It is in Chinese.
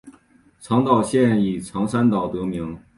长岛县以长山岛得名。